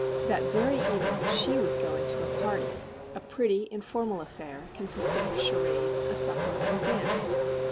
That very evening she was going to a party;—a pretty, informal affair, consisting of charades, a supper, and a dance.